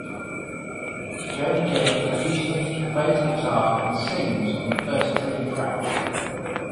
Joan Jett produces, plays guitar and sings on the first three tracks.